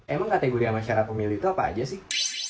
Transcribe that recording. emang kategori sama syarat pemilih itu apa aja sih